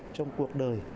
trong cuộc đời